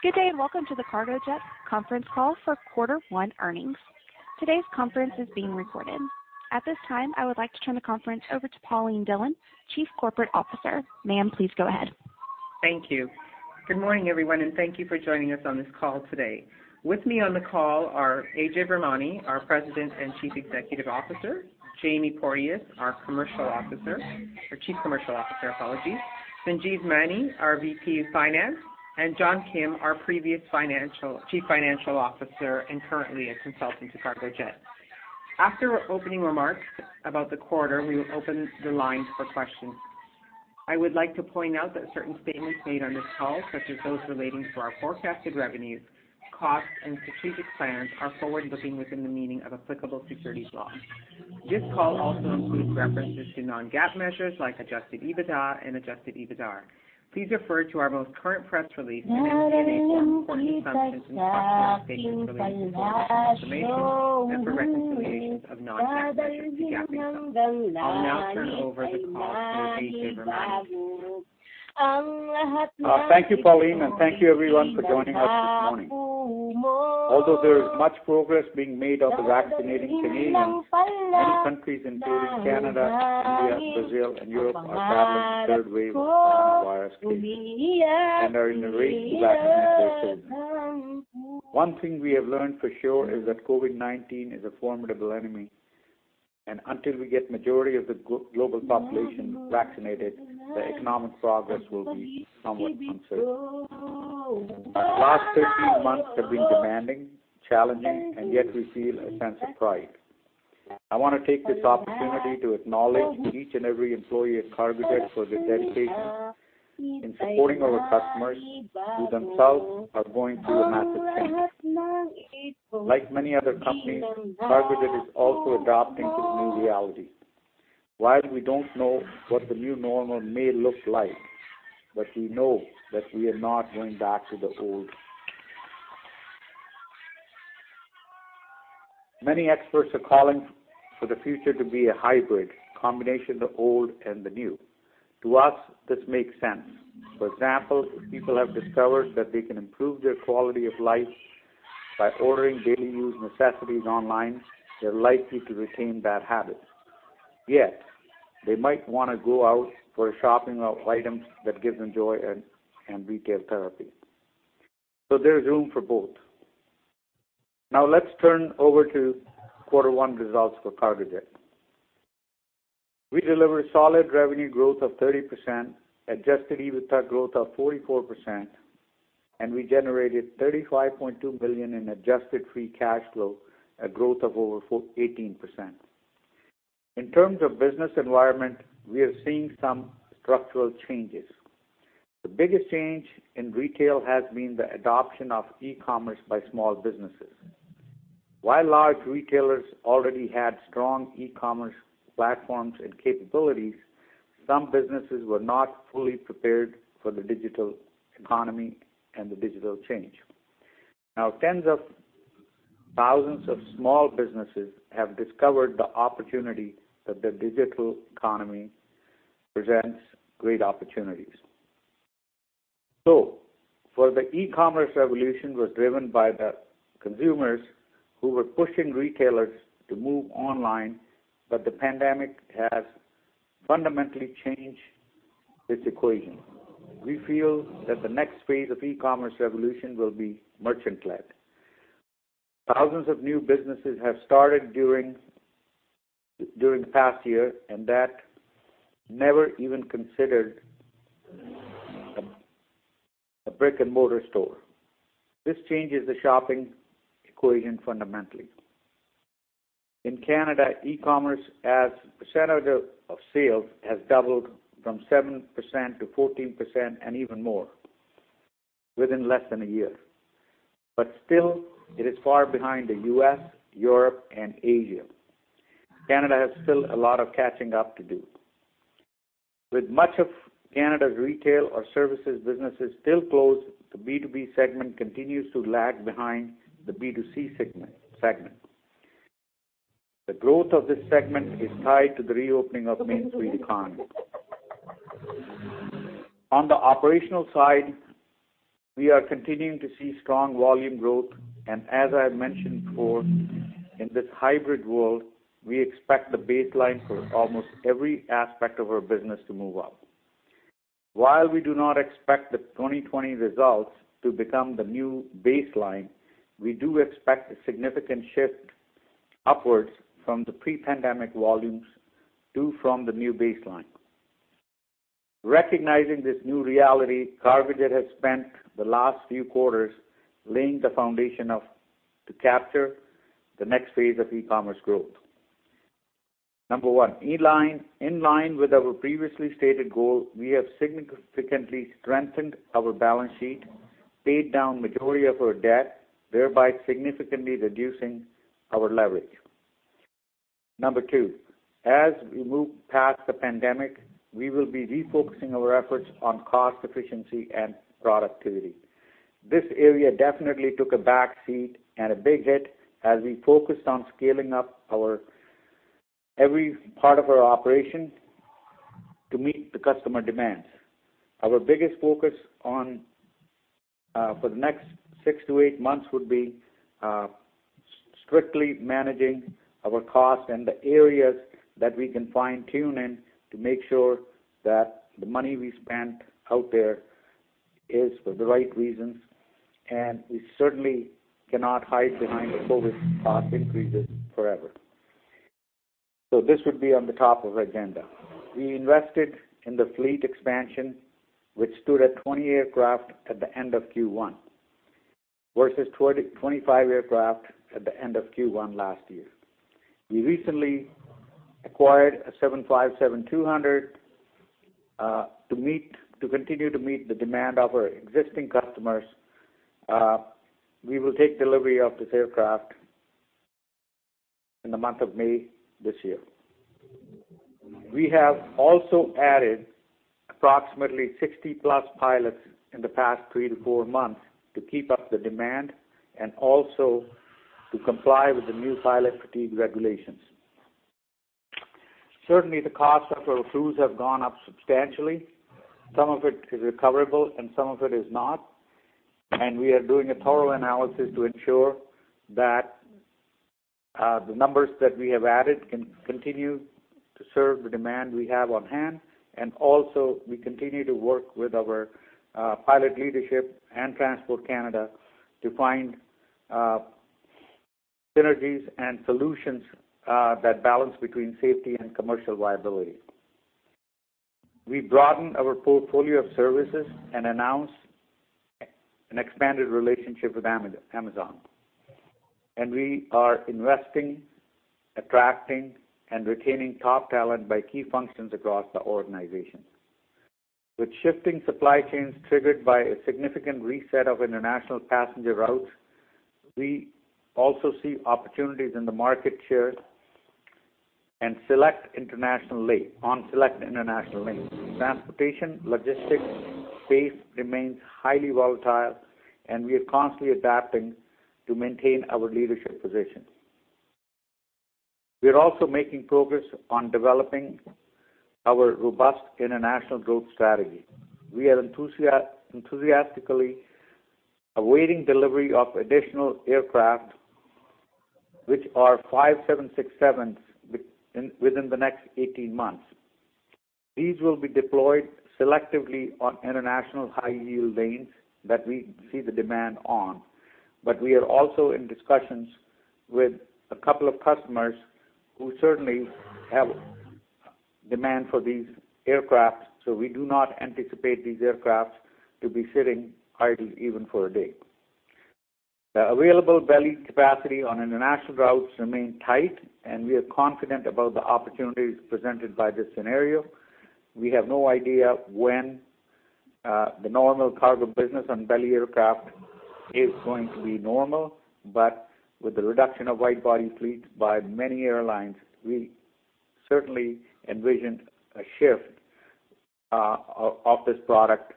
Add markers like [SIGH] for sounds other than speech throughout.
Good day, and welcome to the Cargojet conference call for quarter one earnings. Today's conference is being recorded. At this time, I would like to turn the conference over to Pauline Dhillon, Chief Corporate Officer. Ma'am, please go ahead. Thank you. Good morning, everyone, and thank you for joining us on this call today. With me on the call are Ajay Virmani, our President and Chief Executive Officer, Jamie Porteous, our Chief Commercial Officer, Sanjeev Maini, our VP of Finance, and John Kim, our previous Chief Financial Officer and currently a consultant to Cargojet. After opening remarks about the quarter, we will open the lines for questions. I would like to point out that certain statements made on this call, such as those relating to our forecasted revenues, costs, and strategic plans, are forward-looking within the meaning of applicable securities law. This call also includes references to non-GAAP measures like Adjusted EBITDA and Adjusted EBITDAR. Please refer to our most current press release and [AUDIO DISTORTION] I'll now turn over the call to Ajay Virmani. Thank you, Pauline, thank you everyone for joining us this morning. Although there is much progress being made of vaccinating Canadians, many countries, including Canada, India, Brazil, and Europe, are battling a third wave of coronavirus cases and are in a race to vaccinate their citizens. One thing we have learned for sure is that COVID-19 is a formidable enemy, until we get majority of the global population vaccinated, the economic progress will be somewhat uncertain. The last 15 months have been demanding, challenging, yet we feel a sense of pride. I want to take this opportunity to acknowledge each and every employee at Cargojet for their dedication in supporting our customers, who themselves are going through a massive change. Like many other companies, Cargojet is also adapting to the new reality. We don't know what the new normal may look like, but we know that we are not going back to the old. Many experts are calling for the future to be a hybrid, combination of the old and the new. To us, this makes sense. For example, if people have discovered that they can improve their quality of life by ordering daily use necessities online, they're likely to retain that habit. They might want to go out for shopping of items that gives them joy and retail therapy. There's room for both. Let's turn over to quarter one results for Cargojet. We delivered solid revenue growth of 30%, Adjusted EBITDA growth of 44%. We generated 35.2 million in adjusted free cash flow, a growth of over 18%. In terms of business environment, we are seeing some structural changes. The biggest change in retail has been the adoption of e-commerce by small businesses. While large retailers already had strong e-commerce platforms and capabilities, some businesses were not fully prepared for the digital economy and the digital change. Tens of thousands of small businesses have discovered the opportunity that the digital economy presents great opportunities. For the e-commerce revolution was driven by the consumers who were pushing retailers to move online, but the pandemic has fundamentally changed this equation. We feel that the next phase of e-commerce revolution will be merchant-led. Thousands of new businesses have started during the past year and that never even considered a brick-and-mortar store. This changes the shopping equation fundamentally. In Canada, e-commerce as a percentage of sales has doubled from 7% to 14% and even more within less than a year. Still, it is far behind the U.S., Europe, and Asia. Canada has still a lot of catching up to do. With much of Canada's retail or services businesses still closed, the B2B segment continues to lag behind the B2C segment. The growth of this segment is tied to the reopening of mainstream economy. On the operational side, we are continuing to see strong volume growth and as I have mentioned before, in this hybrid world, we expect the baseline for almost every aspect of our business to move up. While we do not expect the 2020 results to become the new baseline, we do expect a significant shift upwards from the pre-pandemic volumes to and from the new baseline. Recognizing this new reality, Cargojet has spent the last few quarters laying the foundation to capture the next phase of e-commerce growth. Number one, in line with our previously stated goal, we have significantly strengthened our balance sheet, paid down majority of our debt, thereby significantly reducing our leverage. Number two, as we move past the pandemic, we will be refocusing our efforts on cost efficiency and productivity. This area definitely took a back seat and a big hit as we focused on scaling up every part of our operation. To meet the customer demands. Our biggest focus for the next six to eight months would be strictly managing our cost and the areas that we can fine-tune to make sure that the money we spent out there is for the right reasons. We certainly cannot hide behind the COVID cost increases forever. This would be on the top of agenda. We invested in the fleet expansion, which stood at 20 aircraft at the end of Q1, versus 25 aircraft at the end of Q1 last year. We recently acquired a 757-200 to continue to meet the demand of our existing customers. We will take delivery of this aircraft in the month of May this year. We have also added approximately 60+ pilots in the past three to four months to keep up the demand and also to comply with the new pilot fatigue regulations. Certainly, the cost of our crews have gone up substantially. Some of it is recoverable and some of it is not. We are doing a thorough analysis to ensure that the numbers that we have added can continue to serve the demand we have on hand. Also, we continue to work with our pilot leadership and Transport Canada to find synergies and solutions that balance between safety and commercial viability. We broadened our portfolio of services and announced an expanded relationship with Amazon. We are investing, attracting, and retaining top talent by key functions across the organization. With shifting supply chains triggered by a significant reset of international passenger routes, we also see opportunities in the market share on select international links. Transportation logistics space remains highly volatile. We are constantly adapting to maintain our leadership position. We're also making progress on developing our robust international growth strategy. We are enthusiastically awaiting delivery of additional aircraft, which are five 767s, within the next 18 months. These will be deployed selectively on international high-yield lanes that we see the demand on. We are also in discussions with a couple of customers who certainly have demand for these aircraft. We do not anticipate these aircraft to be sitting idly even for a day. The available belly capacity on international routes remain tight, and we are confident about the opportunities presented by this scenario. We have no idea when the normal cargo business on belly aircraft is going to be normal, with the reduction of wide-body fleets by many airlines, we certainly envisioned a shift of this product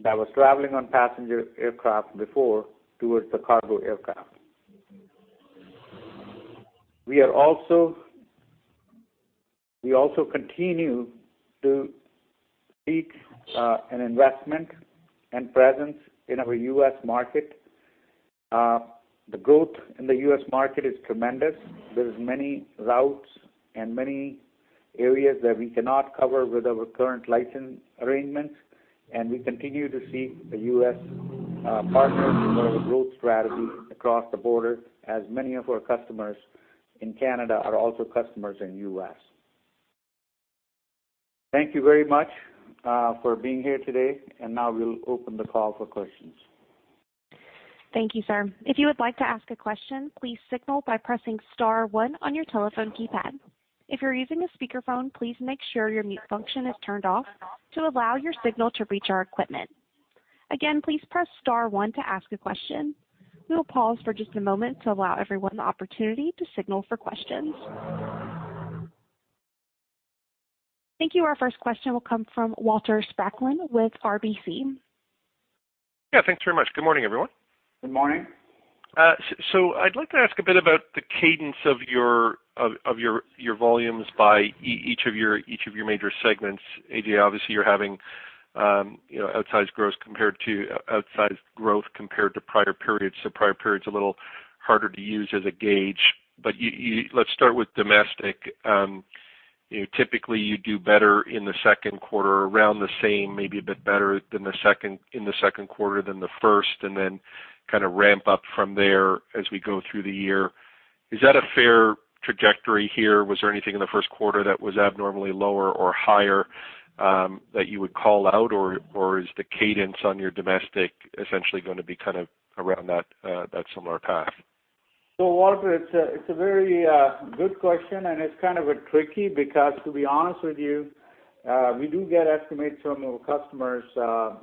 that was traveling on passenger aircraft before towards the cargo aircraft. We also continue to seek an investment and presence in our U.S. market. The growth in the U.S. market is tremendous. There is many routes and many areas that we cannot cover with our current license arrangements, and we continue to seek a U.S. partner for our growth strategy across the border, as many of our customers in Canada are also customers in U.S. Thank you very much for being here today. Now we'll open the call for questions. Thank you, sir. If you would like to ask a question, please signal by pressing star one on your telephone keypad. If you're using a speakerphone, please make sure your mute function is turned off to allow your signal to reach our equipment. Again, please press star one to ask a question. We will pause for just a moment to allow everyone the opportunity to signal for questions. Thank you. Our first question will come from Walter Spracklin with RBC. Yeah, thanks very much. Good morning, everyone. Good morning. I'd like to ask a bit about the cadence of your volumes by each of your major segments. Ajay, obviously, you're having outsized growth compared to prior periods, prior period's a little harder to use as a gauge. Let's start with domestic. Typically, you do better in the second quarter, around the same, maybe a bit better in the second quarter than the first, and then kind of ramp up from there as we go through the year. Is that a fair trajectory here? Was there anything in the first quarter that was abnormally lower or higher that you would call out, or is the cadence on your domestic essentially going to be kind of around that similar path? Walter, it's a very good question, and it's kind of tricky because, to be honest with you, we do get estimates from our customers.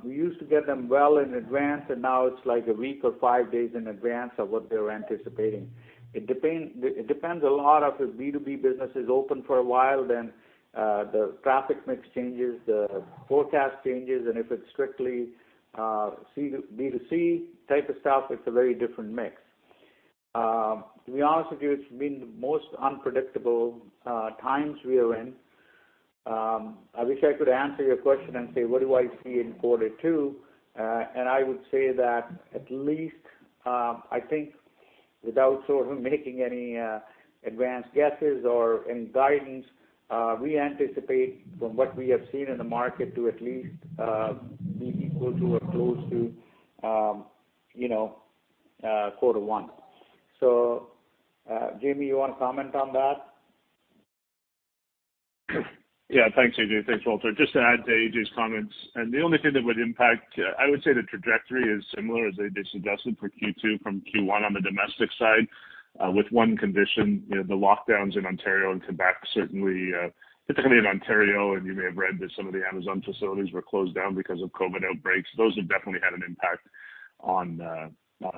We used to get them well in advance, and now it's like a week or five days in advance of what they're anticipating. It depends a lot. If the B2B business is open for a while, then the traffic mix changes, the forecast changes, and if it's strictly B2C type of stuff, it's a very different mix. To be honest with you, it's been the most unpredictable times we are in. I wish I could answer your question and say what do I see in quarter two. I would say that at least, I think without making any advanced guesses or any guidance, we anticipate from what we have seen in the market to at least be equal to or close to quarter one. Jamie, you want to comment on that? Yeah, thanks, Ajay. Thanks, Walter. Just to add to Ajay's comments, the only thing that would impact I would say the trajectory is similar as Ajay suggested for Q2 from Q1 on the domestic side, with one condition. The lockdowns in Ontario and Quebec, certainly in Ontario, and you may have read that some of the Amazon facilities were closed down because of COVID outbreaks. Those have definitely had an impact on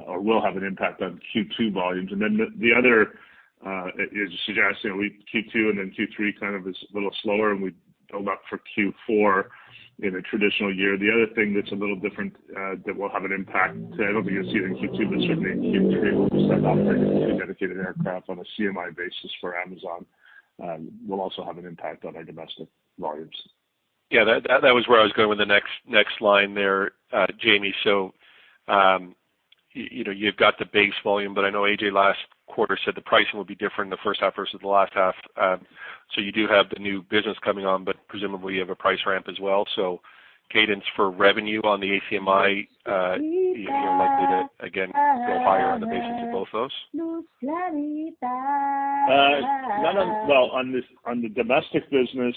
or will have an impact on Q2 volumes. The other is suggesting Q2 and then Q3 kind of is a little slower, and we build up for Q4 in a traditional year. The other thing that's a little different that will have an impact, I don't think you'll see it in Q2, but certainly in Q3, we'll be stepping up two dedicated aircraft on an ACMI basis for Amazon, will also have an impact on our domestic volumes. That was where I was going with the next line there, Jamie. You've got the base volume, but I know Ajay last quarter said the pricing will be different in the first half versus the last half. You do have the new business coming on, but presumably you have a price ramp as well. Cadence for revenue on the ACMI, you're likely to, again, go higher on the basis of both those? Well, on the domestic business,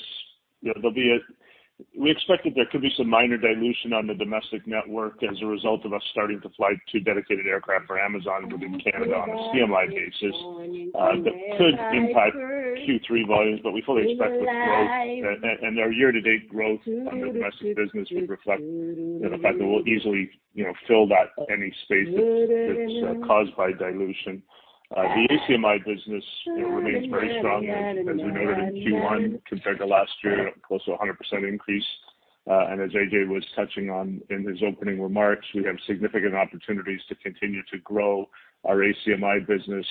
we expected there could be some minor dilution on the domestic network as a result of us starting to fly two dedicated aircraft for Amazon within Canada on an ACMI basis. That could impact Q3 volumes, but we fully expect the growth and our year-to-date growth on the domestic business would reflect that it will easily fill any space that is caused by dilution. The ACMI business remains very strong. As we noted in Q1, compared to last year, close to 100% increase. As Ajay was touching on in his opening remarks, we have significant opportunities to continue to grow our ACMI business.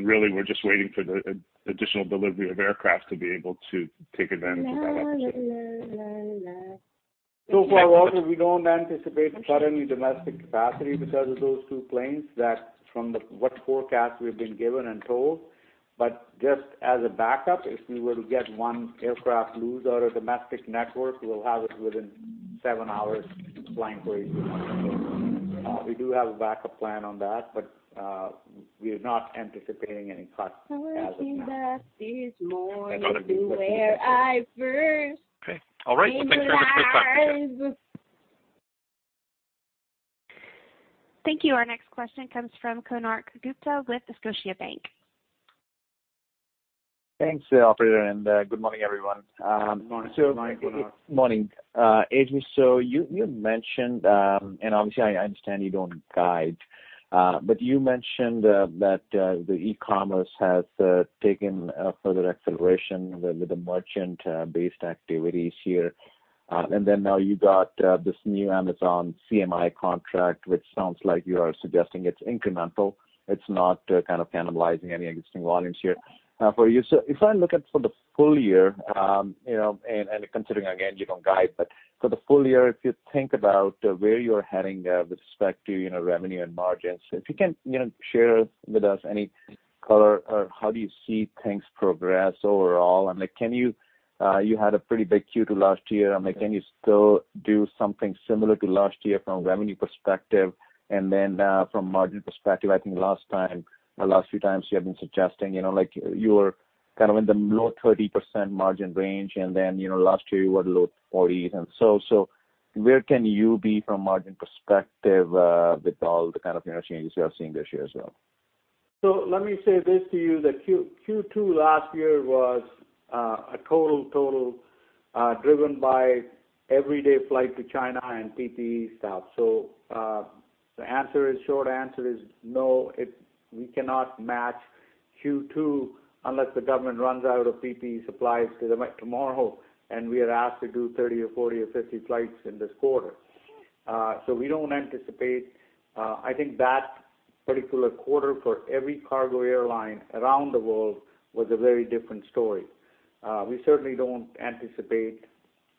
Really, we're just waiting for the additional delivery of aircraft to be able to take advantage of that opportunity. Far, Walter, we don't anticipate cutting any domestic capacity because of those two planes that from what forecast we've been given and told. Just as a backup, if we were to get one aircraft lose out of domestic network, we'll have it within seven hours flying for. [AUDIO DISTORTION] We do have a backup plan on that, but we are not anticipating any cuts as of now. Okay. All right. Well, thanks. [AUDIO DISTORTION] Thank you. Our next question comes from Konark Gupta with Scotiabank. Thanks, operator, and good morning, everyone. Good morning. Good morning, Konark. Morning. Ajay, you mentioned, and obviously I understand you don't guide, but you mentioned that the e-commerce has taken a further acceleration with the merchant-based activities here. Now you got this new Amazon ACMI contract, which sounds like you are suggesting it's incremental. It's not kind of cannibalizing any existing volumes here for you. If I look at for the full-year, and considering, again, you don't guide, but for the full year, if you think about where you're heading with respect to revenue and margins, if you can share with us any color or how do you see things progress overall? You had a pretty big Q2 last year. Can you still do something similar to last year from a revenue perspective and then from margin perspective? I think the last few times you have been suggesting, you were kind of in the 30% margin range, and then last year you were low 40s. Where can you be from margin perspective with all the kind of interchange you are seeing this year as well? Let me say this to you. The Q2 last year was a total driven by everyday flight to China and PPE stuff. The short answer is no, we cannot match Q2 unless the government runs out of PPE supplies tomorrow, and we are asked to do 30 or 40 or 50 flights in this quarter. We don't anticipate I think that particular quarter for every cargo airline around the world was a very different story. We certainly don't anticipate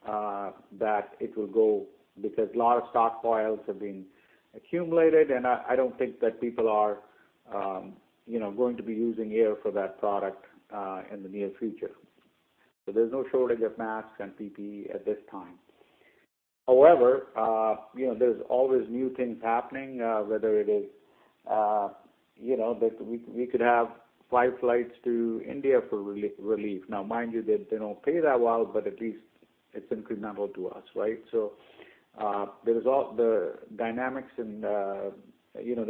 that it will go because a lot of stockpiles have been accumulated, and I don't think that people are going to be using air for that product in the near future. There's no shortage of masks and PPE at this time. However, there's always new things happening, whether it is that we could have five flights to India for relief. Mind you, they don't pay that well, at least it's incremental to us, right? The dynamics and the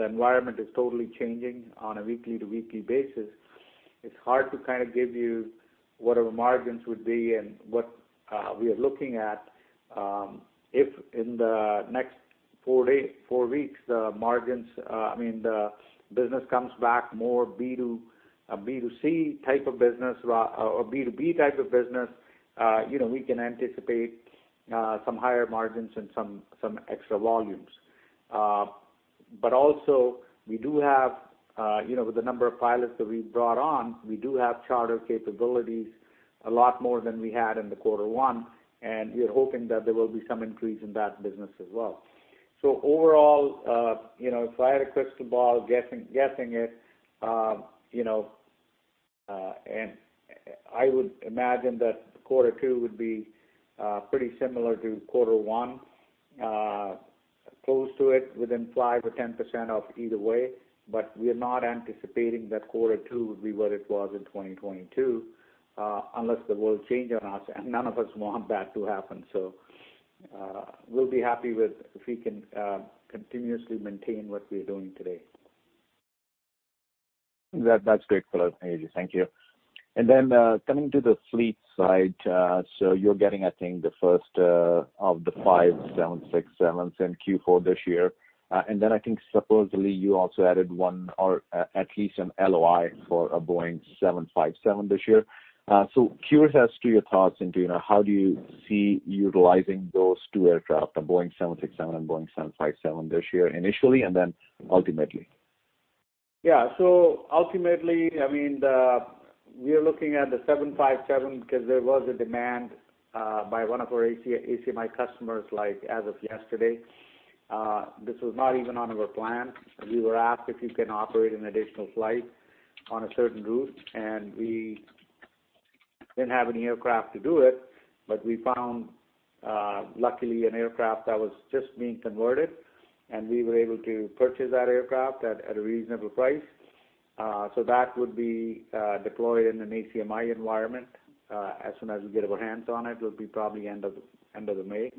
environment is totally changing on a weekly to weekly basis. It's hard to kind of give you what our margins would be and what we are looking at. If in the next four weeks, the business comes back more B2B B2C type of business or B2B type of business, we can anticipate some higher margins and some extra volumes. Also, with the number of pilots that we've brought on, we do have charter capabilities, a lot more than we had in the quarter one, we are hoping that there will be some increase in that business as well. Overall, if I had a crystal ball guessing it, and I would imagine that quarter two would be pretty similar to quarter one, close to it within 5% or 10% off either way. We are not anticipating that quarter two would be what it was in 2020, unless the world change on us and none of us want that to happen. We'll be happy if we can continuously maintain what we are doing today. That's great, Ajay. Thank you. Coming to the fleet side, you're getting, I think, the first of the five 767s in Q4 this year. I think supposedly you also added one, or at least an LOI for a Boeing 757 this year. Curious as to your thoughts into how do you see utilizing those two aircraft, the Boeing 767 and Boeing 757 this year initially, and then ultimately? Ultimately, we are looking at the 757 because there was a demand by one of our ACMI customers as of yesterday. This was not even on our plan. We were asked if we can operate an additional flight on a certain route, and we didn't have any aircraft to do it. We found, luckily, an aircraft that was just being converted, and we were able to purchase that aircraft at a reasonable price. That would be deployed in an ACMI environment as soon as we get our hands on it. It will be probably end of the May.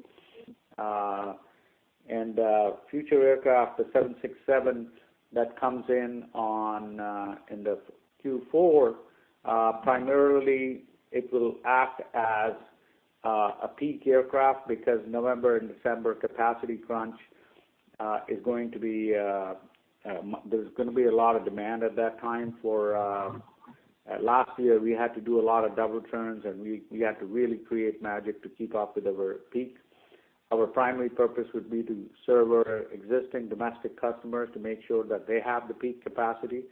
Future aircraft, the 767 that comes in the Q4, primarily it will act as a peak aircraft because November and December capacity crunch, there's going to be a lot of demand at that time. Last year, we had to do a lot of double turns, and we had to really create magic to keep up with our peak. Our primary purpose would be to serve our existing domestic customers to make sure that they have the peak capacity.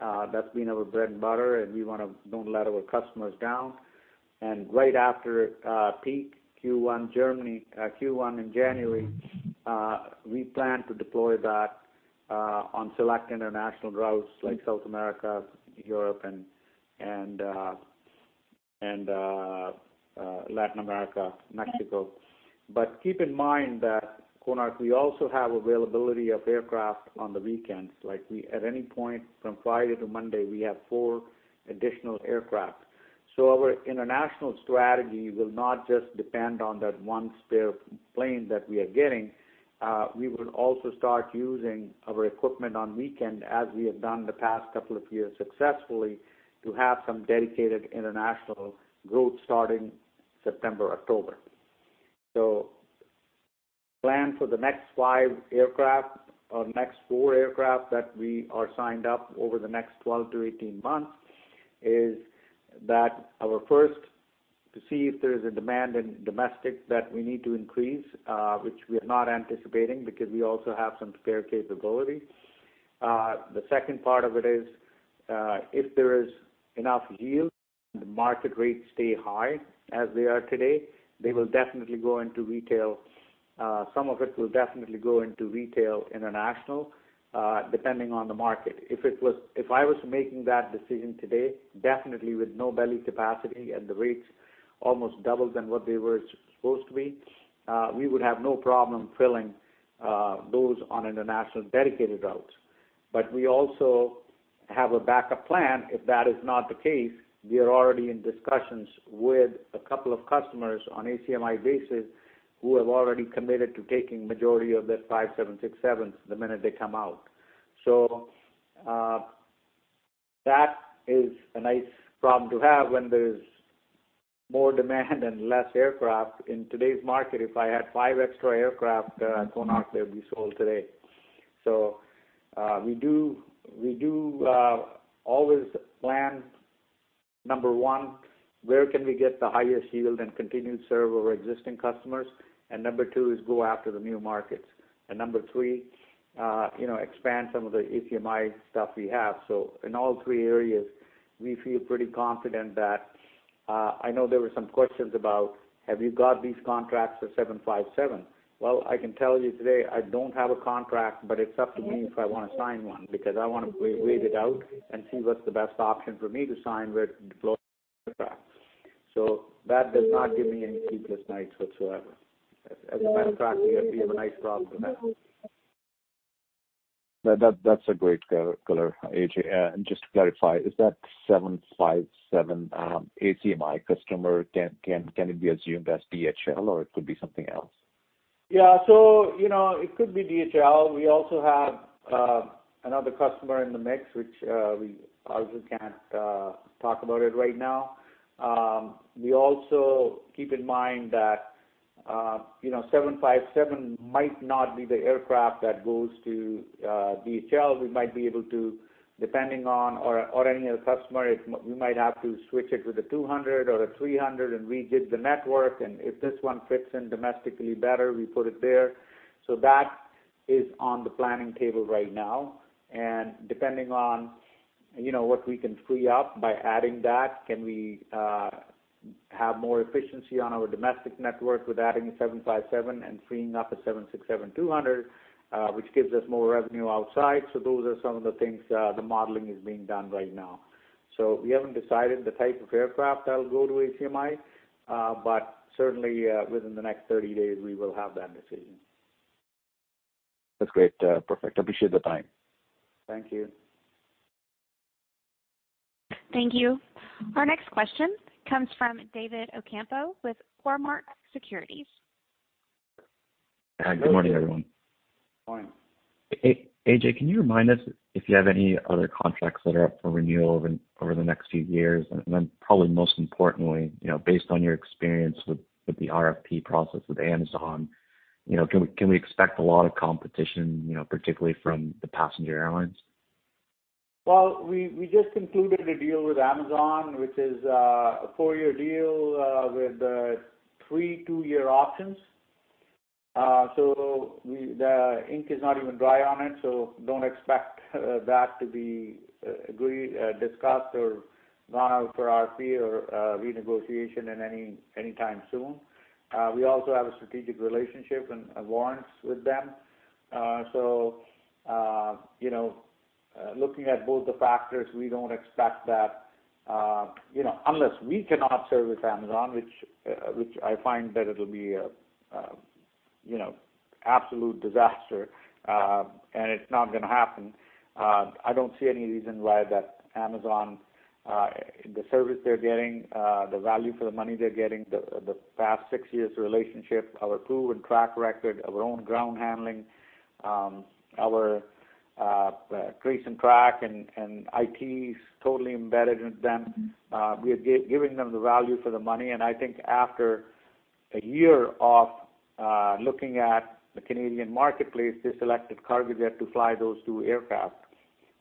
That's been our bread and butter, and we want to don't let our customers down. Right after peak Q1 in January, we plan to deploy that on select international routes like South America, Europe, and Latin America, Mexico. Keep in mind that, Konark, we also have availability of aircraft on the weekends. At any point from Friday to Monday, we have four additional aircraft. Our international strategy will not just depend on that one spare plane that we are getting. We will also start using our equipment on weekend, as we have done the past couple of years successfully, to have some dedicated international growth starting September, October. Plan for the next five aircraft or next four aircraft that we are signed up over the next 12 to 18 months is that our first, to see if there is a demand in domestic that we need to increase, which we are not anticipating because we also have some spare capability. The second part of it is, if there is enough yield and the market rates stay high as they are today, they will definitely go into retail. Some of it will definitely go into retail international, depending on the market. If I was making that decision today, definitely with no belly capacity and the rates almost double than what they were supposed to be, we would have no problem filling those on international dedicated routes. We also have a backup plan if that is not the case. We are already in discussions with a couple of customers on ACMI basis who have already committed to taking majority of the 767s the minute they come out. That is a nice problem to have when there is more demand and less aircraft. In today's market, if I had five extra aircraft, Konark, they'd be sold today. We do always plan, number one, where can we get the highest yield and continue to serve our existing customers. Number two is go after the new markets. Number three, expand some of the ACMI stuff we have. In all three areas, we feel pretty confident. I know there were some questions about, have you got these contracts for 757? I can tell you today I don't have a contract, but it's up to me if I want to sign one because I want to wait it out and see what's the best option for me to sign with deploy aircraft. That does not give me any sleepless nights whatsoever. As a matter of fact, we have a nice problem with that. That's a great color, Ajay. Just to clarify, is that 757 ACMI customer, can it be assumed as DHL or it could be something else? Yeah. It could be DHL. We also have another customer in the mix, which we also can't talk about it right now. We also keep in mind that 757 might not be the aircraft that goes to DHL. We might be able to, depending on our annual customer, we might have to switch it with a 200 or a 300 and redo the network. If this one fits in domestically better, we put it there. That is on the planning table right now. Depending on what we can free up by adding that, can we have more efficiency on our domestic network with adding a 757 and freeing up a 767-200, which gives us more revenue outside. Those are some of the things, the modeling is being done right now. We haven't decided the type of aircraft that'll go to ACMI, but certainly, within the next 30 days, we will have that decision. That's great. Perfect. Appreciate the time. Thank you. Thank you. Our next question comes from David Ocampo with Cormark Securities. Good morning, everyone. Good morning. Ajay, can you remind us if you have any other contracts that are up for renewal over the next few years? Then probably most importantly, based on your experience with the RFP process with Amazon, can we expect a lot of competition, particularly from the passenger airlines? Well, we just concluded a deal with Amazon, which is a four-year deal, with three two-year options. The ink is not even dry on it, so don't expect that to be agreed, discussed, or gone out for RFP or renegotiation any time soon. We also have a strategic relationship and warrants with them. Looking at both the factors, we don't expect that, unless we cannot service Amazon, which I find that it will be absolute disaster, and it's not gonna happen. I don't see any reason why The service they're getting, the value for the money they're getting, the past six-year relationship, our proven track record, our own ground handling, our trace and track, and IT is totally embedded with them. We are giving them the value for the money. I think after a year of looking at the Canadian marketplace, they selected Cargojet to fly those two aircraft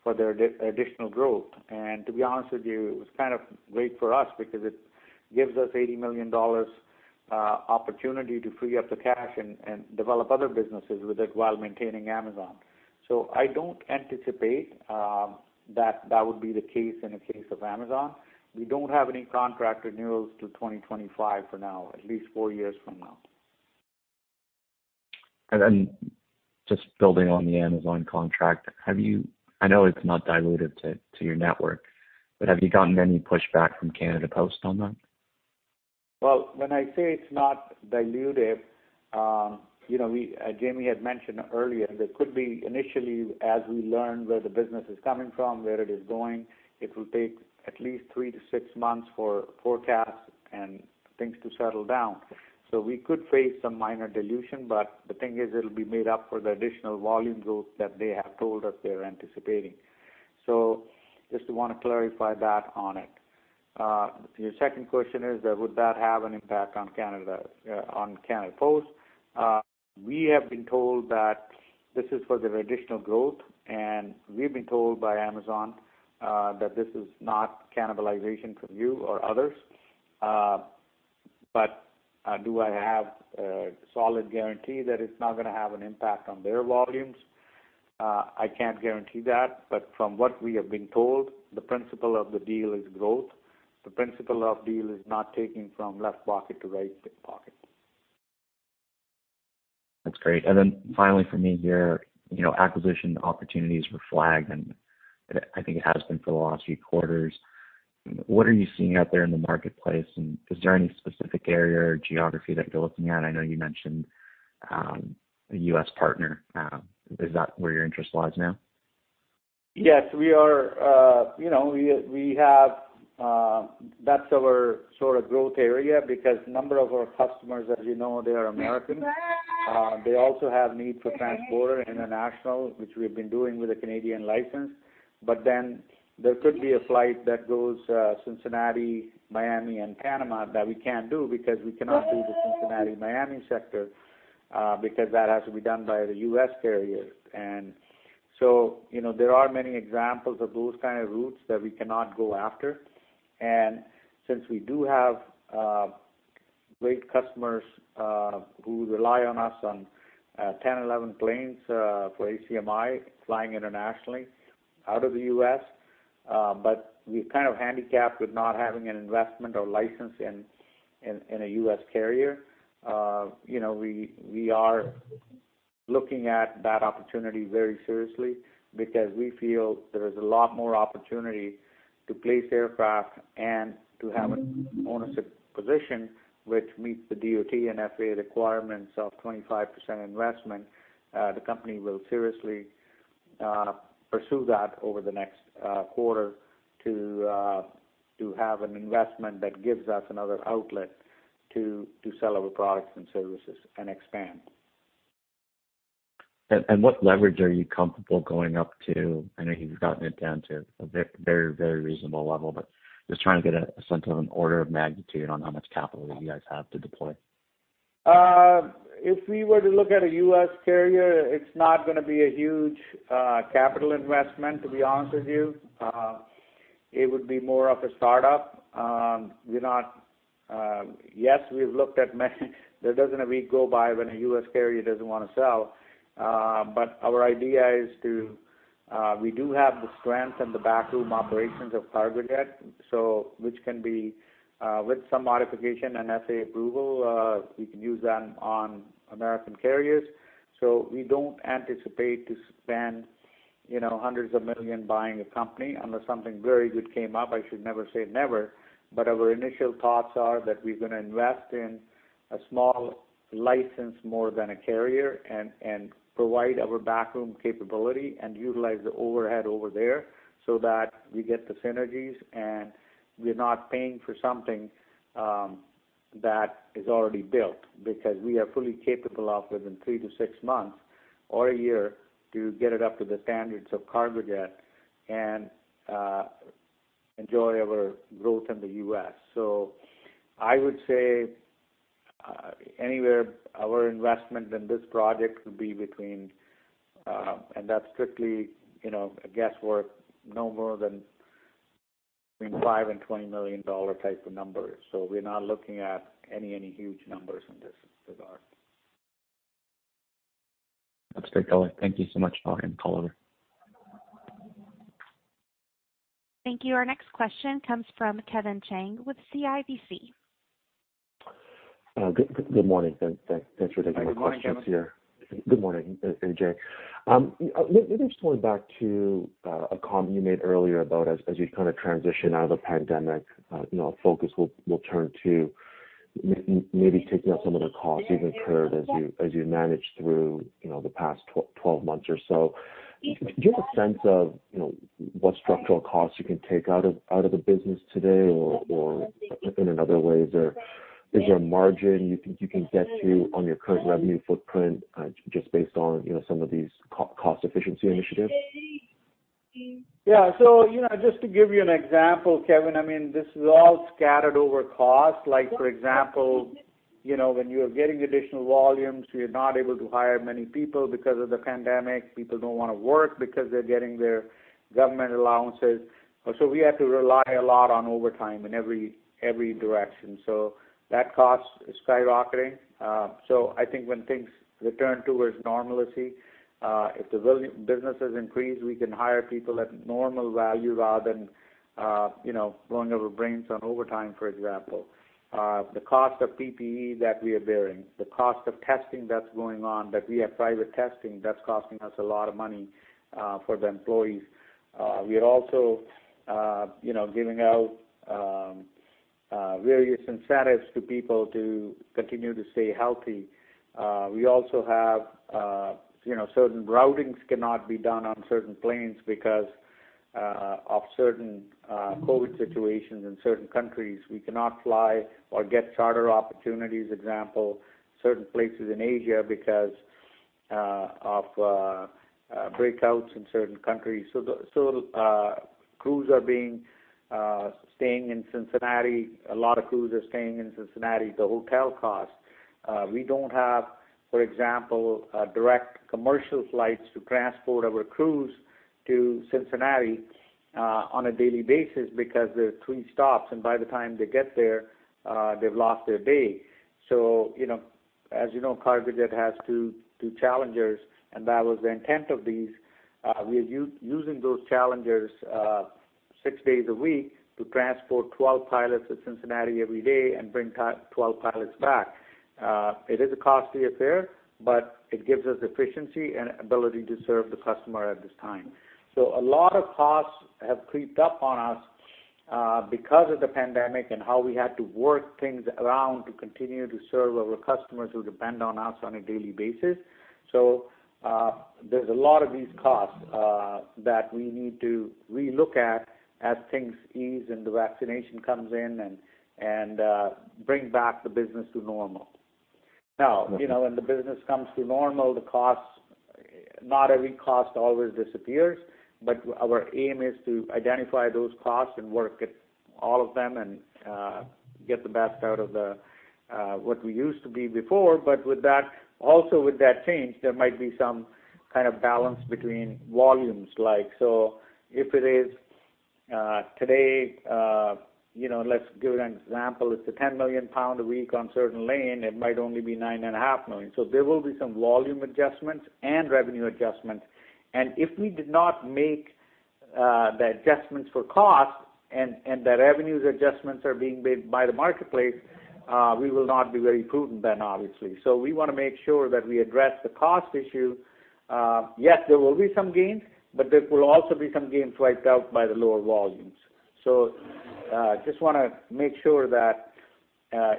for their additional growth. To be honest with you, it was kind of great for us because it gives us 80 million dollars opportunity to free up the cash and develop other businesses with it while maintaining Amazon. I don't anticipate that that would be the case in the case of Amazon. We don't have any contract renewals till 2025 for now, at least four years from now. Just building on the Amazon contract. I know it's not dilutive to your network, but have you gotten any pushback from Canada Post on that? Well, when I say it's not dilutive, Jamie had mentioned earlier, there could be initially as we learn where the business is coming from, where it is going, it will take at least three to six months for forecasts and things to settle down. We could face some minor dilution, but the thing is, it'll be made up for the additional volume growth that they have told us they're anticipating. Just want to clarify that on it. Your second question is, would that have an impact on Canada Post? We have been told that this is for their additional growth, and we've been told by Amazon, that this is not cannibalization from you or others. Do I have a solid guarantee that it's not gonna have an impact on their volumes? I can't guarantee that, but from what we have been told, the principle of the deal is growth. The principle of deal is not taking from left pocket to right pocket. That's great. Finally from me here, acquisition opportunities were flagged, and I think it has been for the last few quarters. What are you seeing out there in the marketplace, and is there any specific area or geography that you're looking at? I know you mentioned a U.S. partner. Is that where your interest lies now? Yes. That's our sort of growth area because a number of our customers, as you know, they are American. They also have need for transborter international, which we've been doing with a Canadian license. There could be a flight that goes Cincinnati, Miami, and Panama that we can't do because we cannot do the Cincinnati-Miami sector, because that has to be done by the U.S. carrier. There are many examples of those kind of routes that we cannot go after. And since we do have great customers who rely on us on 1011 planes for ACMI flying internationally out of the U.S., but we're kind of handicapped with not having an investment or license in a U.S. carrier. We are looking at that opportunity very seriously because we feel there is a lot more opportunity to place aircraft and to have an ownership position which meets the DOT and FAA requirements of 25% investment. The company will seriously pursue that over the next quarter to have an investment that gives us another outlet to sell our products and services and expand. What leverage are you comfortable going up to? I know you've gotten it down to a very reasonable level, but just trying to get a sense of an order of magnitude on how much capital that you guys have to deploy. If we were to look at a U.S. carrier, it's not going to be a huge capital investment, to be honest with you. It would be more of a startup. Yes, there doesn't a week go by when a U.S. carrier doesn't want to sell. Our idea is to, we do have the strength and the backroom operations of Cargojet, which can be, with some modification and FAA approval, we can use them on American carriers. We don't anticipate to spend CAD hundreds of million buying a company unless something very good came up. I should never say never, our initial thoughts are that we're going to invest in a small license more than a carrier and provide our backroom capability and utilize the overhead over there so that we get the synergies, and we're not paying for something that is already built. Because we are fully capable of, within three to six months or one year, to get it up to the standards of Cargojet and enjoy our growth in the U.S. I would say anywhere our investment in this project would be between, and that's strictly a guesswork, no more than between 5 million and 20 million dollar type of numbers. We're not looking at any huge numbers in this regard. That's great. Okay. Thank you so much. I'll hand the call over. Thank you. Our next question comes from Kevin Chiang with CIBC. Good morning. Thanks for taking my questions here. Good morning, Kevin. Good morning, Ajay. Maybe just going back to a comment you made earlier about as you transition out of the pandemic, focus will turn to maybe taking out some of the costs you've incurred as you managed through the past 12 months or so. Do you have a sense of what structural costs you can take out of the business today or in another way, is there a margin you think you can get to on your current revenue footprint just based on some of these cost efficiency initiatives? Yeah. Just to give you an example, Kevin, this is all scattered over cost. Like for example, when you are getting additional volumes, you're not able to hire many people because of the pandemic. People don't want to work because they're getting their government allowances. We have to rely a lot on overtime in every direction. That cost is skyrocketing. I think when things return towards normalcy, if the businesses increase, we can hire people at normal value rather than blowing our brains on overtime, for example. The cost of PPE that we are bearing, the cost of testing that's going on, that we have private testing, that's costing us a lot of money for the employees. We are also giving out various incentives to people to continue to stay healthy. We also have certain routings cannot be done on certain planes because of certain COVID situations in certain countries. We cannot fly or get charter opportunities, example, certain places in Asia because of breakouts in certain countries. Crews are staying in Cincinnati. A lot of crews are staying in Cincinnati. The hotel cost. We don't have, for example, direct commercial flights to transport our crews to Cincinnati on a daily basis because there are three stops, and by the time they get there, they've lost their day. As you know, Cargojet has two Challengers, and that was the intent of these. We are using those Challengers six days a week to transport 12 pilots to Cincinnati every day and bring 12 pilots back. It is a costly affair, but it gives us efficiency and ability to serve the customer at this time. A lot of costs have creeped up on us because of the pandemic and how we had to work things around to continue to serve our customers who depend on us on a daily basis. There's a lot of these costs that we need to re-look at as things ease and the vaccination comes in and bring back the business to normal. When the business comes to normal, not every cost always disappears, but our aim is to identify those costs and work at all of them and get the best out of what we used to be before. Also with that change, there might be some kind of balance between volumes. If it is today, let's give it an example. If it's a 10 million pound a week on a certain lane, it might only be 9.5 million. There will be some volume adjustments and revenue adjustments. If we did not make the adjustments for cost and the revenues adjustments are being made by the marketplace, we will not be very prudent then, obviously. We want to make sure that we address the cost issue. Yes, there will be some gains, but there will also be some gains wiped out by the lower volumes. Just want to make sure that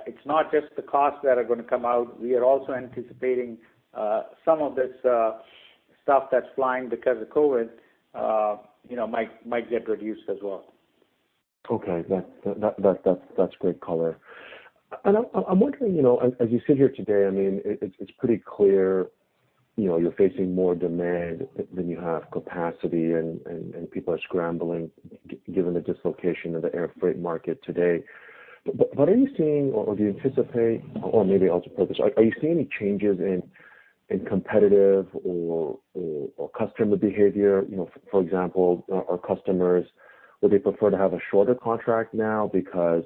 it's not just the costs that are going to come out. We are also anticipating some of this stuff that's flying because of COVID-19 might get reduced as well. Okay. That's great color. I'm wondering, as you sit here today, it's pretty clear you're facing more demand than you have capacity, and people are scrambling given the dislocation of the air freight market today. Are you seeing, or do you anticipate, or maybe I'll just pose this, are you seeing any changes in competitive or customer behavior? For example, our customers, would they prefer to have a shorter contract now because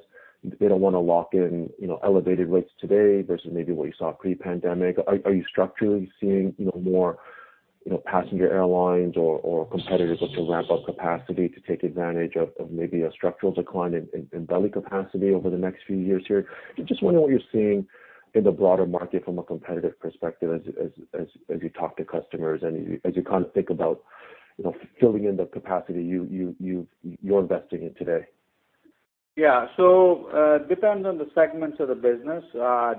they don't want to lock in elevated rates today versus maybe what you saw pre-pandemic? Are you structurally seeing more passenger airlines or competitors look to ramp up capacity to take advantage of maybe a structural decline in belly capacity over the next few years here? Just wondering what you're seeing in the broader market from a competitive perspective as you talk to customers and as you think about filling in the capacity you're investing in today? Yeah. Depends on the segments of the business.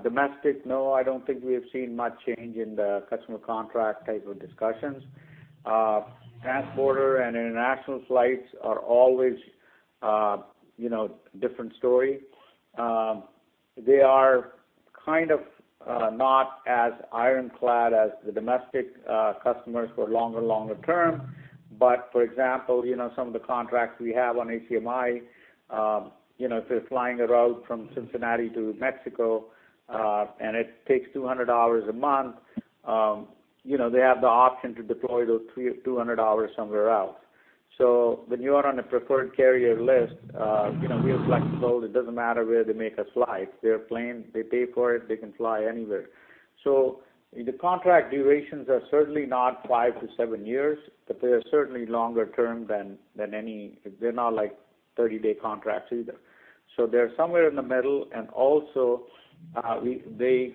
Domestic, no, I don't think we have seen much change in the customer contract type of discussions. Transporter and international flights are always a different story. They are kind of not as ironclad as the domestic customers for longer term. For example, some of the contracts we have on ACMI, if they're flying a route from Cincinnati to Mexico, and it takes 200 hours a month, they have the option to deploy those 200 hours somewhere else. When you are on a preferred carrier list, we are flexible. It doesn't matter where they make us fly. Their plane, they pay for it, they can fly anywhere. The contract durations are certainly not five to seven years, but they're certainly longer term than any-- they're not like 30-day contracts either. They're somewhere in the middle, and also, they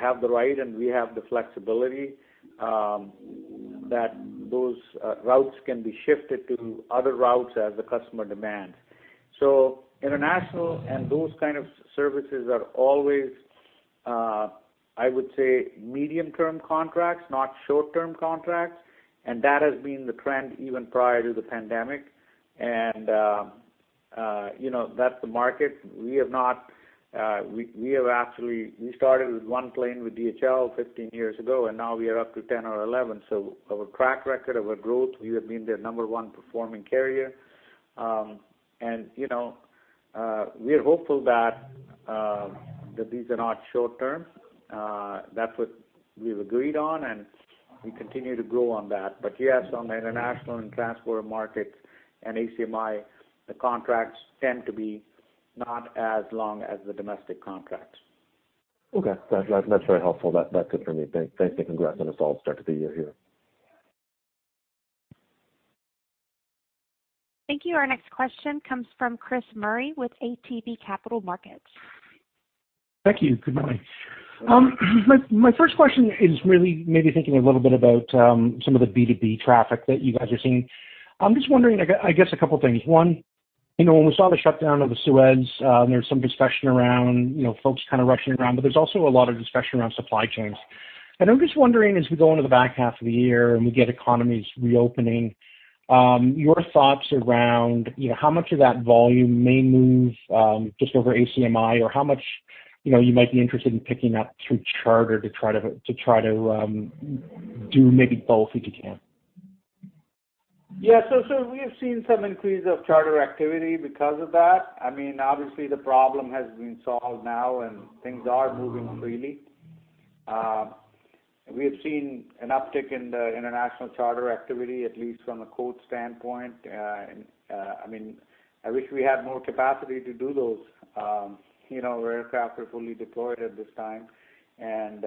have the right and we have the flexibility that those routes can be shifted to other routes as the customer demands. International and those kind of services are always, I would say, medium-term contracts, not short-term contracts, and that has been the trend even prior to the pandemic. That's the market. We started with one plane with DHL 15 years ago, and now we are up to 10 or 11. Our track record of our growth, we have been their number one performing carrier. We are hopeful that these are not short-term. That's what we've agreed on, and we continue to grow on that. Yes, on the international and transporter markets and ACMI, the contracts tend to be not as long as the domestic contracts. Okay. That's very helpful. That's it for me. Thanks and congrats on a solid start to the year here. Thank you. Our next question comes from Chris Murray with ATB Capital Markets. Thank you. Good morning. My first question is really maybe thinking a little bit about some of the B2B traffic that you guys are seeing. I am just wondering, I guess, a couple things. One, when we saw the shutdown of the Suez, there was some discussion around folks kind of rushing around, but there is also a lot of discussion around supply chains. I am just wondering, as we go into the back half of the year and we get economies reopening, your thoughts around how much of that volume may move just over ACMI or how much you might be interested in picking up through charter to try to do maybe both, if you can. Yeah. We have seen some increase of charter activity because of that. Obviously, the problem has been solved now, and things are moving freely. We have seen an uptick in the international charter activity, at least from a quote standpoint. I wish we had more capacity to do those. Our aircraft are fully deployed at this time, and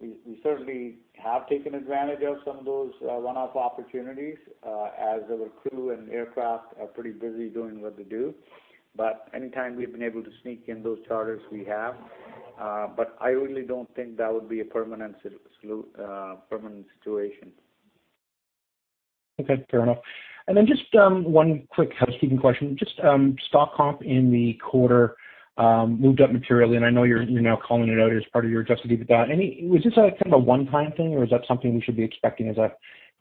we certainly have taken advantage of some of those one-off opportunities as our crew and aircraft are pretty busy doing what they do. Anytime we've been able to sneak in those charters, we have. I really don't think that would be a permanent situation. Okay. Fair enough. Then just one quick housekeeping question. Just stock comp in the quarter moved up materially, and I know you're now calling it out as part of your Adjusted EBITDA. Was this a kind of a one-time thing, or is that something we should be expecting as a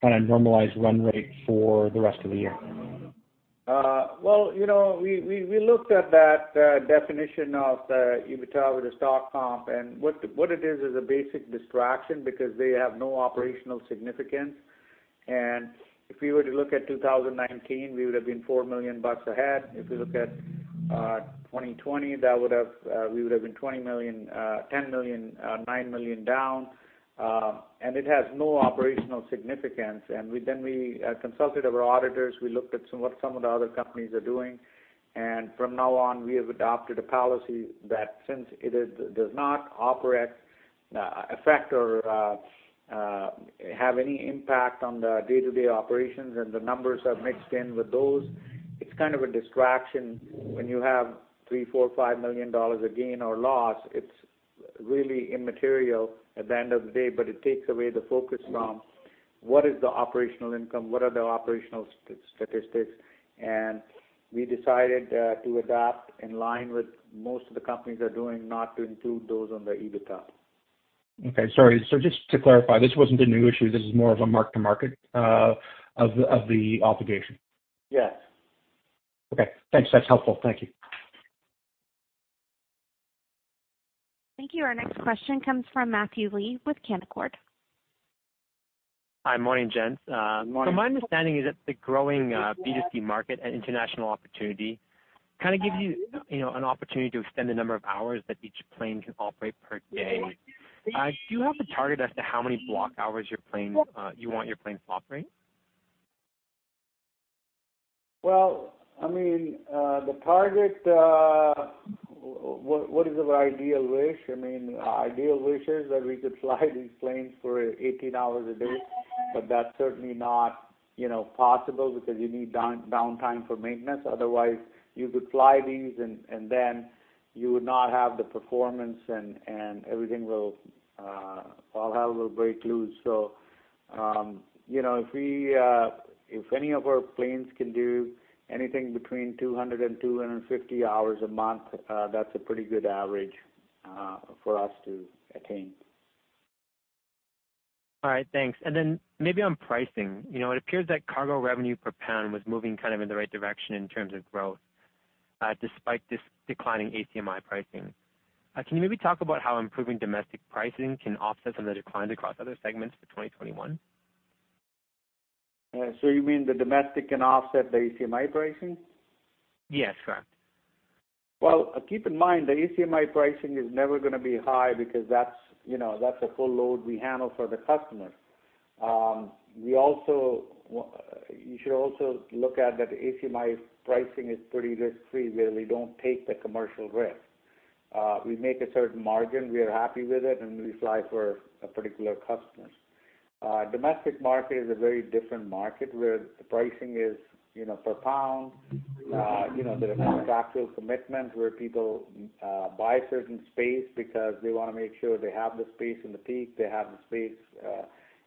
kind of normalized run rate for the rest of the year? Well, we looked at that definition of the EBITDA with the stock comp, and what it is a basic distraction because they have no operational significance. If we were to look at 2019, we would've been 4 million bucks ahead. If we look at 2020, we would've been 9 million down. It has no operational significance. Then we consulted our auditors. We looked at what some of the other companies are doing. From now on, we have adopted a policy that since it does not affect or have any impact on the day-to-day operations, and the numbers are mixed in with those, it's kind of a distraction when you have 3 million, 4 million, 5 million dollars of gain or loss. It's really immaterial at the end of the day, but it takes away the focus from what is the operational income, what are the operational statistics, and we decided to adopt in line with most of the companies are doing, not to include those on the EBITDA. Okay. Sorry. Just to clarify, this wasn't a new issue, this is more of a mark-to-market of the obligation? Yes. Okay. Thanks. That's helpful. Thank you. Thank you. Our next question comes from Matthew Lee with Canaccord. Hi. Morning, gents. Morning. My understanding is that the growing B2C market and international opportunity kind of gives you an opportunity to extend the number of hours that each plane can operate per day. Do you have a target as to how many block hours you want your planes operating? Well, the target, what is our ideal wish? Ideal wish is that we could fly these planes for 18 hours a day. That's certainly not possible because you need downtime for maintenance, otherwise you could fly these and then you would not have the performance and all hell will break loose. If any of our planes can do anything between 200 and 250 hours a month, that's a pretty good average for us to attain. All right. Thanks. Maybe on pricing. It appears that cargo revenue per pound was moving kind of in the right direction in terms of growth, despite this declining ACMI pricing. Can you maybe talk about how improving domestic pricing can offset some of the declines across other segments for 2021? You mean the domestic can offset the ACMI pricing? Yes, correct. Well, keep in mind, the ACMI pricing is never going to be high because that's a full load we handle for the customers. You should also look at that ACMI pricing is pretty risk-free, where we don't take the commercial risk. We make a certain margin, we are happy with it, and we fly for particular customers. Domestic market is a very different market, where the pricing is per pound. There are contractual commitments where people buy certain space because they want to make sure they have the space in the peak, they have the space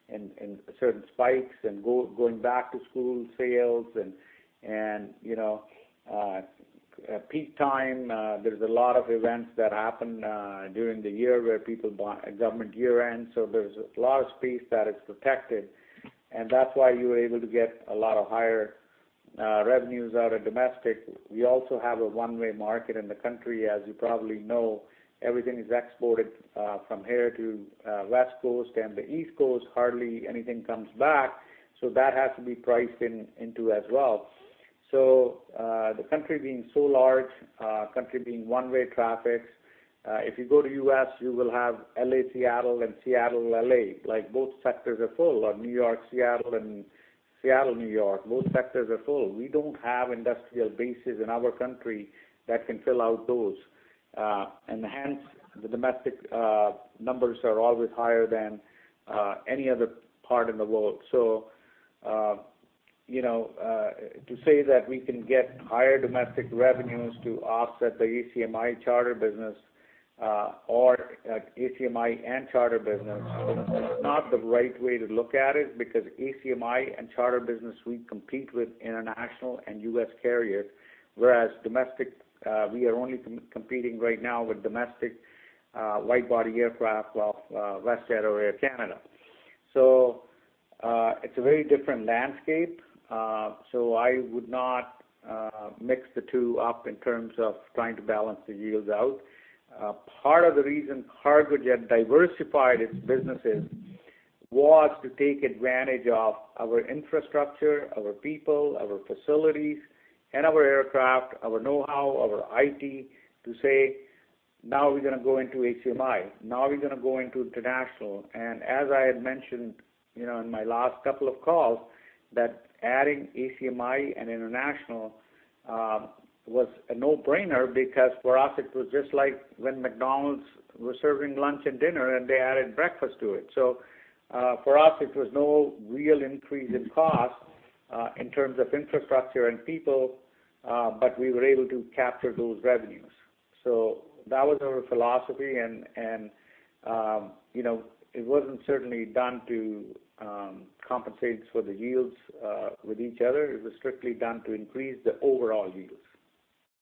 in certain spikes and going back to school sales and peak time. There's a lot of events that happen during the year where people buy government year-end. There's a lot of space that is protected, and that's why you are able to get a lot of higher revenues out of domestic. We also have a one-way market in the country. As you probably know, everything is exported from here to West Coast and the East Coast, hardly anything comes back. That has to be priced into as well. The country being so large, country being one-way traffic, if you go to U.S., you will have L.A.-Seattle and Seattle-L.A., both sectors are full. New York-Seattle and Seattle-New York, both sectors are full. We don't have industrial bases in our country that can fill out those. Hence, the domestic numbers are always higher than any other part in the world. To say that we can get higher domestic revenues to offset the ACMI charter business, or ACMI and charter business, is not the right way to look at it, because ACMI and charter business, we compete with international and U.S. carriers, whereas domestic, we are only competing right now with domestic wide-body aircraft of WestJet or Air Canada. It's a very different landscape. I would not mix the two up in terms of trying to balance the yields out. Part of the reason Cargojet diversified its businesses was to take advantage of our infrastructure, our people, our facilities, and our aircraft, our know-how, our IT to say, "Now we're going to go into ACMI. Now we're going to go into international. As I had mentioned, in my last couple of calls, that adding ACMI and international was a no-brainer because for us it was just like when McDonald's was serving lunch and dinner, and they added breakfast to it. For us, it was no real increase in cost, in terms of infrastructure and people, but we were able to capture those revenues. That was our philosophy, and it wasn't certainly done to compensate for the yields with each other. It was strictly done to increase the overall yields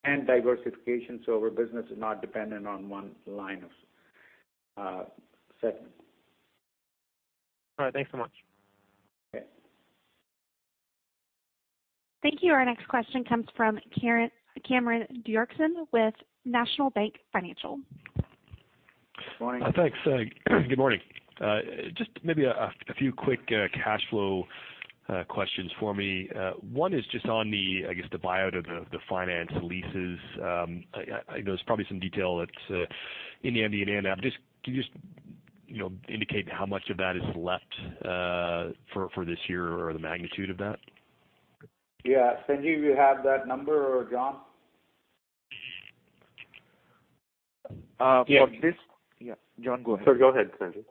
and diversification, so our business is not dependent on one line of segment. All right. Thanks so much. Okay. Thank you. Our next question comes from Cameron Doerksen with National Bank Financial. Morning. Thanks. Good morning. Just maybe a few quick cash flow questions for me. One is just on the, I guess, the buyout of the finance leases. I know there's probably some detail that's in the addendum. Can you just indicate how much of that is left for this year or the magnitude of that? Yeah. Sanjeev, you have that number, or John? Yeah, John, go ahead. Sorry, go ahead, Sanjeev.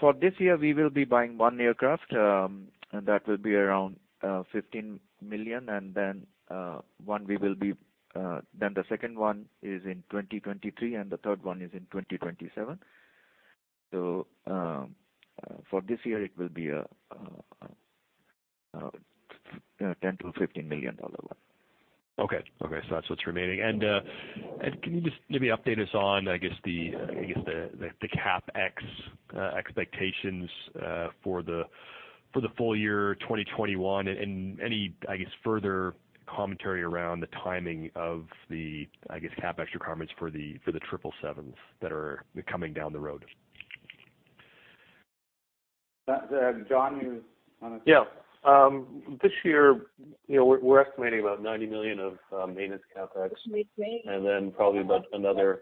For this year, we will be buying one aircraft, and that will be around 15 million, and then the second one is in 2023, and the third one is in 2027. 10 million-CAD 15 million. Okay. That's what's remaining. Can you just maybe update us on, I guess, the CapEx expectations for the full year 2021 and any further commentary around the timing of the CapEx requirements for the 777s that are coming down the road? John. This year, we're estimating about 90 million of maintenance CapEx, probably about another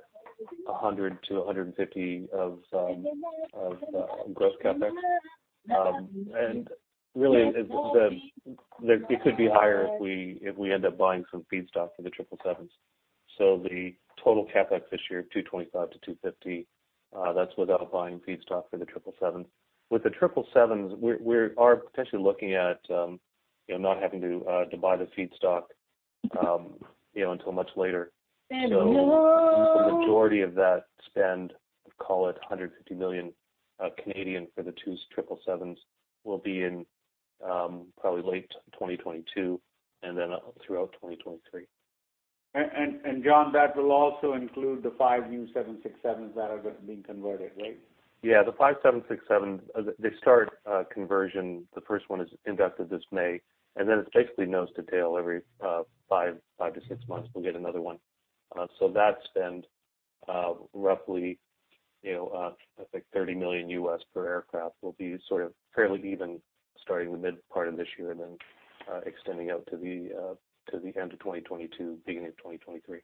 100 million-150 million of gross CapEx. Really, it could be higher if we end up buying some feedstock for the 777s. The total CapEx this year, 225 million-250 million, that's without buying feedstock for the 777s. With the 777s, we are potentially looking at not having to buy the feedstock until much later. The majority of that spend, call it 150 million for the two 777s, will be in probably late 2022 and then throughout 2023. John, that will also include the five new 767s that are being converted, right? Yeah, the five 767s, they start conversion, the first one is inducted this May, then it's basically nose to tail every five to six months, we'll get another one. That spend roughly, I think $30 million per aircraft will be sort of fairly even starting the mid part of this year and then extending out to the end of 2022, beginning of 2023.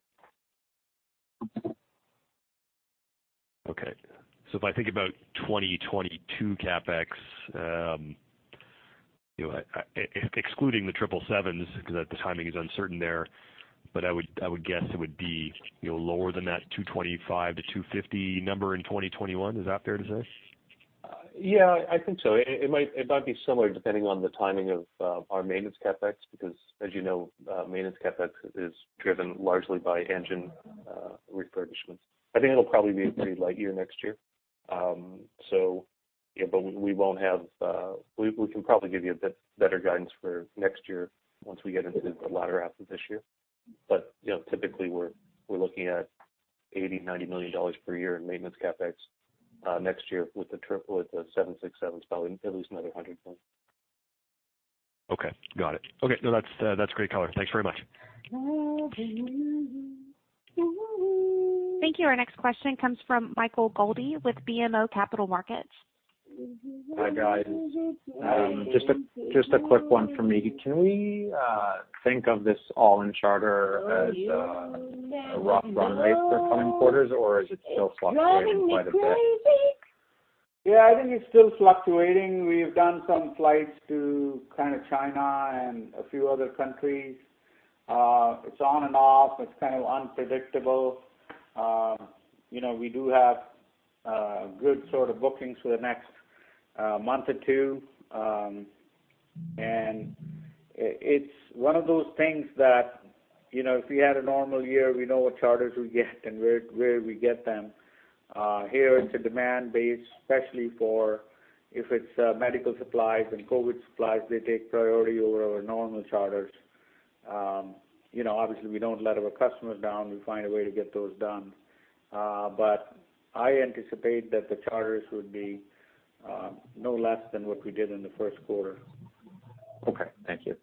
If I think about 2020 CapEx, excluding the 777s, because the timing is uncertain there, but I would guess it would be lower than that 225 to 250 number in 2021. Is that fair to say? Yeah, I think so. It might be similar depending on the timing of our maintenance CapEx, because as you know, maintenance CapEx is driven largely by engine refurbishments. I think it'll probably be a pretty light year next year. We can probably give you a bit better guidance for next year once we get into the latter half of this year. Typically, we're looking at 80 million-90 million dollars per year in maintenance CapEx next year with the 767s, probably at least another 100 million. Okay, got it. Okay. No, that's great color. Thanks very much. Thank you. Our next question comes from Michael Goldie with BMO Capital Markets. Hi, guys. Just a quick one from me. Can we think of this all-in charter as a rough runway for coming quarters, or is it still fluctuating quite a bit? Yeah, I think it's still fluctuating. We've done some flights to China and a few other countries. It's on and off. It's kind of unpredictable. We do have good sort of bookings for the next month or two. It's one of those things that, if we had a normal year, we know what charters we get and where we get them. Here, it's a demand base, especially for if it's medical supplies and COVID supplies, they take priority over our normal charters. Obviously, we don't let our customers down. We find a way to get those done. I anticipate that the charters would be no less than what we did in the first quarter. Okay. Thank you.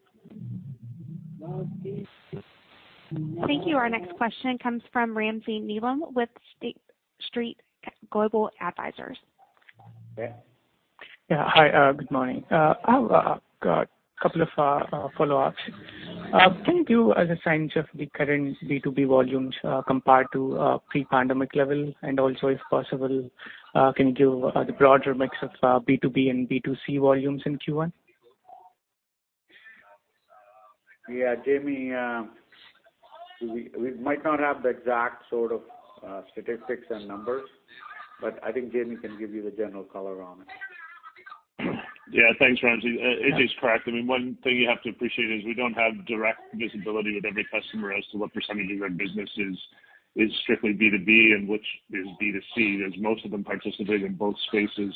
Thank you. Our next question comes from [Ramzi] with State Street Global Advisors. Yeah. Hi, good morning. I've got a couple of follow-ups. Can you give us a sense of the current B2B volumes compared to pre-pandemic level? Also, if possible, can you give the broader mix of B2B and B2C volumes in Q1? Yeah, Jamie, we might not have the exact sort of statistics and numbers, but I think Jamie can give you the general color on it. Yeah. Thanks, Ramzi. Ajay's correct. One thing you have to appreciate is we don't have direct visibility with every customer as to what percentage of their business is strictly B2B and which is B2C, as most of them participate in both spaces.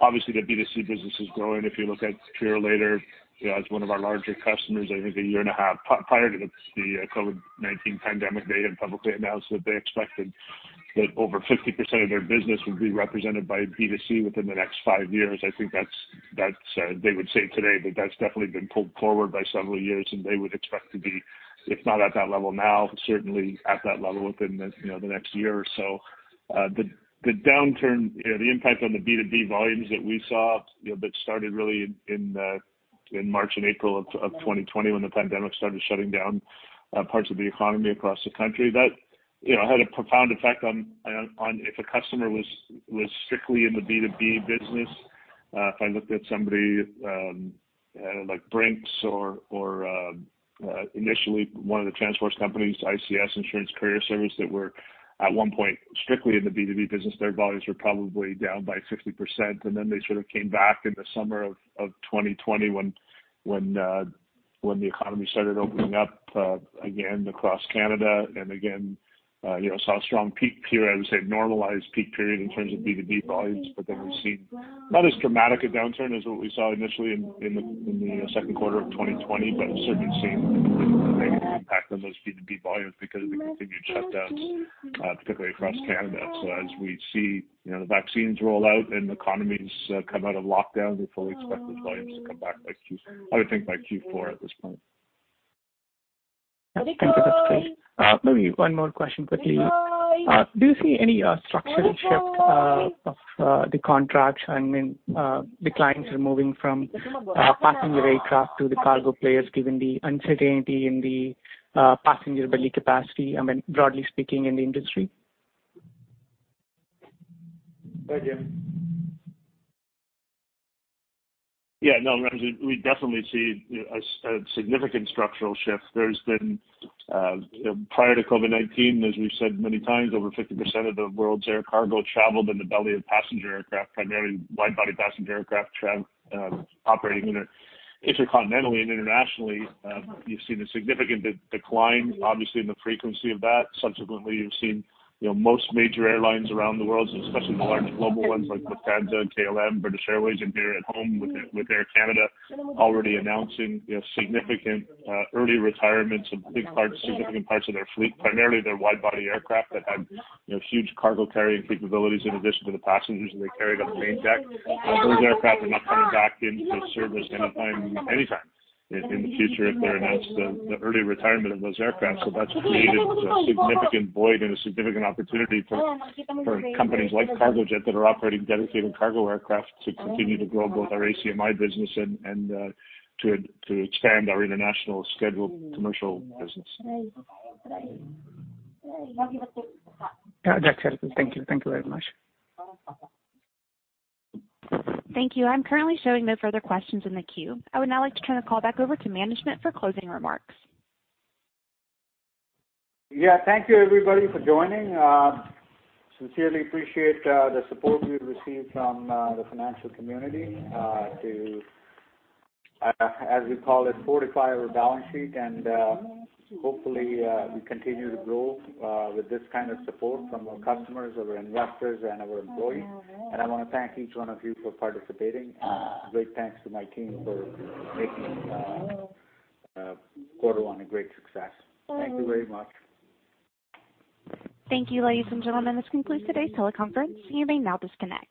Obviously the B2C business is growing. If you look at Purolator, as one of our larger customers, I think a year and a half prior to the COVID-19 pandemic, they had publicly announced that they expected that over 50% of their business would be represented by B2C within the next five years. I think they would say today that that's definitely been pulled forward by several years, and they would expect to be, if not at that level now, certainly at that level within the next year or so. The downturn, the impact on the B2B volumes that we saw that started really in March and April of 2020 when the pandemic started shutting down parts of the economy across the country, that had a profound effect on if a customer was strictly in the B2B business. If I looked at somebody like Brink's or initially one of the transport companies, ICS, Insurance Carrier Service, that were at one point strictly in the B2B business, their volumes were probably down by 60%, and then they sort of came back in the summer of 2020 when the economy started opening up again across Canada, and again, saw a strong peak period, I would say normalized peak period in terms of B2B volumes. We've seen not as dramatic a downturn as what we saw initially in the second quarter of 2020, but certainly seen a negative impact on those B2B volumes because of the continued shutdowns, particularly across Canada. As we see the vaccines roll out and economies come out of lockdown, we fully expect those volumes to come back by, I would think, by Q4 at this point. Thank you. That's great. Maybe one more question quickly. Do you see any structural shift of the contracts? I mean, the clients are moving from passenger aircraft to the cargo players, given the uncertainty in the passenger belly capacity, I mean, broadly speaking, in the industry? Go ahead, Jamie. No, Ramzi, we definitely see a significant structural shift. Prior to COVID-19, as we've said many times, over 50% of the world's air cargo traveled in the belly of passenger aircraft, primarily wide-body passenger aircraft operating intercontinentally and internationally. You've seen a significant decline, obviously, in the frequency of that. Subsequently, you've seen most major airlines around the world, especially the large global ones like Lufthansa, KLM, British Airways, and here at home with Air Canada already announcing significant early retirements of significant parts of their fleet, primarily their wide-body aircraft that had huge cargo carrying capabilities in addition to the passengers that they carried on the main deck. Those aircraft are not coming back into service anytime in the future if they announce the early retirement of those aircraft. That's created a significant void and a significant opportunity for companies like Cargojet that are operating dedicated cargo aircraft to continue to grow both our ACMI business and to expand our international scheduled commercial business. Got it. Thank you. Thank you very much. Thank you. I'm currently showing no further questions in the queue. I would now like to turn the call back over to management for closing remarks. Yeah. Thank you, everybody, for joining. Sincerely appreciate the support we've received from the financial community to, as we call it, fortify our balance sheet. Hopefully we continue to grow with this kind of support from our customers, our investors and our employees. I want to thank each one of you for participating. Great thanks to my team for making quarter one a great success. Thank you very much. Thank you, ladies and gentlemen. This concludes today's teleconference. You may now disconnect.